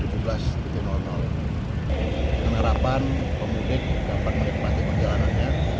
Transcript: dengan harapan pemudik dapat menikmati perjalanannya